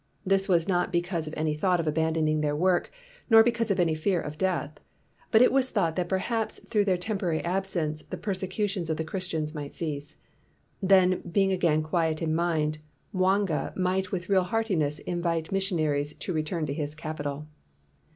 This was not be cause of any thought of abandoning their work nor because of any fear of death. But it was thought that perhaps through their temporary absence the persecutions of the Christians might cease. Then being again quiet in mind, Mwanga might with real heartiness invite the missionaries to re turn to his capital.